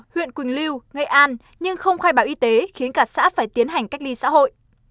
huyện quỳnh lưu nghệ an nhưng không khai báo y tế khiến cả xã phải tiến hành cách ly xã hội